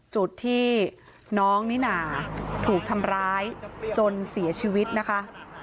จุดที่น้องนิน่าถูกทำร้ายจนเสียชีวิตนะคะ